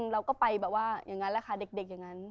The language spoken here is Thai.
เราก็ไปแบบว่าอย่างนั้นแหละค่ะเด็กอย่างนั้น